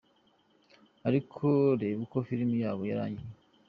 Ariko reba uko filime yabo yarangiye!